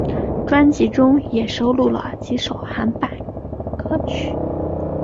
专辑中也收录了几首韩版歌曲。